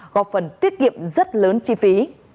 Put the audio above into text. gọc phần tiết kiệm rất lớn chi phí